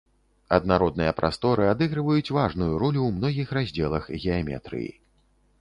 Аднародныя прасторы адыгрываюць важную ролю ў многіх раздзелах геаметрыі.